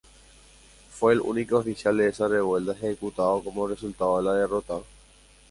Fue el único oficial de esa revuelta ejecutado como resultado de la derrota.